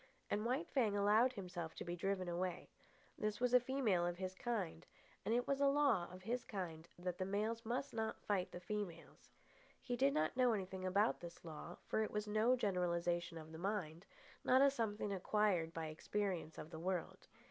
And White Fang allowed himself to be driven away. This was a female of his kind, and it was a law of his kind that the males must not fight the females. He did not know anything about this law, for it was no generalisation of the mind, not a something acquired by experience of the world.